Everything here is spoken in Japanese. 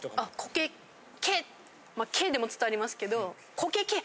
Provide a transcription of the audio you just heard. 「け」でも伝わりますけど。